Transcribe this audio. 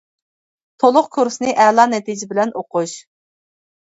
تولۇق كۇرسنى ئەلا نەتىجە بىلەن ئوقۇش.